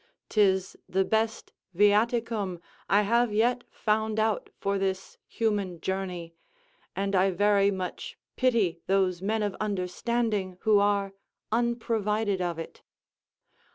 'Tis the best viaticum I have yet found out for this human journey, and I very much pity those men of understanding who are unprovided of it.